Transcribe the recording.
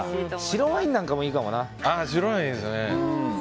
白ワインなんかもいいかもな。